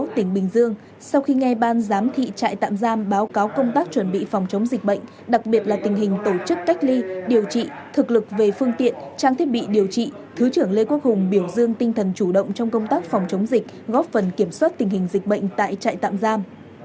trang thiết bị điều trị thứ trưởng lê quốc hùng biểu dương tinh thần chủ động trong công tác phòng chống dịch góp phần kiểm soát tình hình dịch bệnh tại trại tạm giam